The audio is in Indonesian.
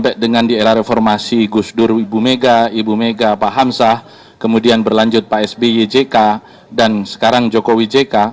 kira reformasi gus dur ibu mega ibu mega pak hamsah kemudian berlanjut pak sbyjk dan sekarang jokowi jk